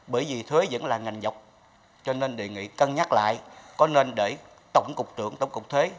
bởi vì thuế vẫn là ngành dọc cho nên đề nghị cân nhắc lại có nên để tổng cục trưởng tổng cục thuế